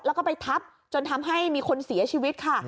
แล้วก็ไปทับจนทำให้มีคนเสียชีวิตค่ะ